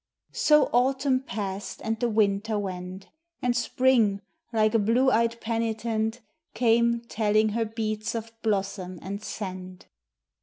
So autumn passed and the winter went; And spring, like a blue eyed penitent, Came, telling her beads of blossom and scent.